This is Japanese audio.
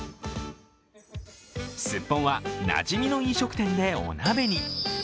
すっぽんはなじみの飲食店でお鍋に。